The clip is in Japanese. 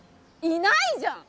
いないじゃん！